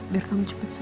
biar kamu cepet sekali